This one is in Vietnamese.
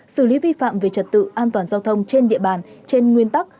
xử lý vi phạm về trật tự an toàn giao thông trên địa bàn trên nguyên tắc